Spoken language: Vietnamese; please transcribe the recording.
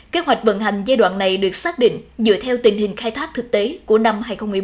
kế hoạch vận hành giai đoạn này được xác định dựa theo tình hình khai thác thực tế của năm hai nghìn một mươi bốn